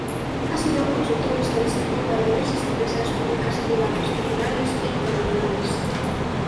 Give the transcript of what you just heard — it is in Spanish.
Ha sido consultor estadístico para diversas empresas públicas y privadas, nacionales e internacionales.